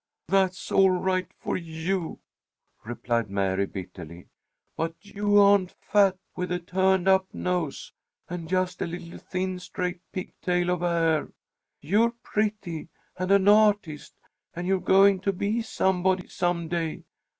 "That's all right for you" replied Mary, bitterly. "But you aren't fat, with a turned up nose and just a little thin straight pigtail of hair. You're pretty, and an artist, and you're going to be somebody some day.